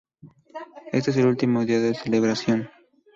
Éste es el último día de celebración.